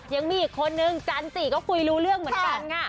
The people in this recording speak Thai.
ยังมีอีกคนนึงจันจิก็คุยรู้เรื่องเหมือนกันค่ะ